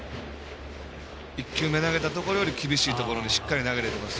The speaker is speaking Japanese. １球目投げたところより厳しいところにしっかり投げられています。